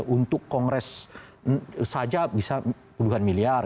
untuk kongres saja bisa puluhan miliar